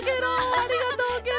ありがとうケロ！